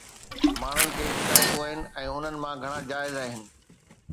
ماڻهن کي شڪايتون آهن ۽ انهن مان گهڻا جائز آهن.